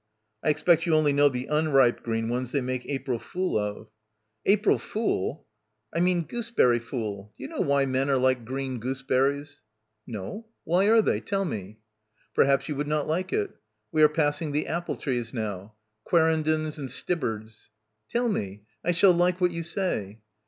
"I expect you only know the unripe green ones they make April fool of." "April fool?" "I mean gooseberry fool. Do you know why men are like green gooseberries?" — 68 — BACKWATER "No. Why are they? Tell me." "Perhaps you would not like it. We are pass ing the apple trees now; quarendens and stib bards." "Tell me. I shall like what you say."